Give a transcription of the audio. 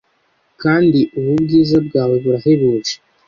kandi ubu bwiza bwawe burahebuje